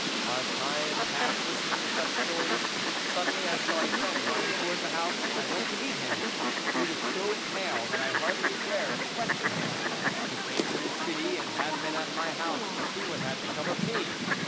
"Our time passed listening to such stories; suddenly I saw a friend running towards the house. I went to meet him. He was so pale that I hardly dared to question him. He came from the city, and had been at my house to see what had become of me.